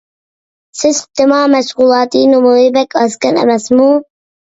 سىستېما مەشغۇلاتى نومۇرى بەك ئازكەن ئەمەسمۇ.